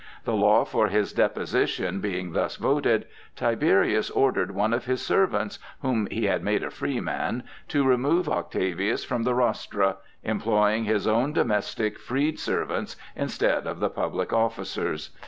The law for his deposition being thus voted, Tiberius ordered one of his servants, whom he had made a freeman, to remove Octavius from the rostra, employing his own domestic freed servants instead of the public officers.